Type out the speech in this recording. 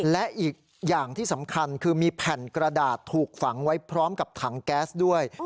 และอีกอย่างที่สำคัญคือมีแผ่นกระดาษถูกฝังไว้พร้อมกับถังแก๊สด้วย